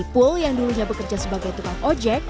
ipul yang dulunya bekerja sebagai tukang ojek